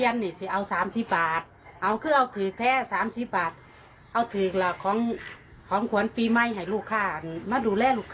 น้ำแข็งละลายหมด